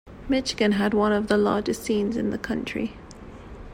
Michigan had one of the largest scenes in the country.